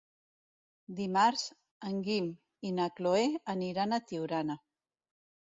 Dimarts en Guim i na Cloè aniran a Tiurana.